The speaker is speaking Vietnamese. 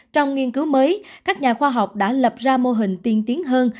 trong nghiên cứu mới các nhà khoa học đã lập ra mô hình tiên tiến hơn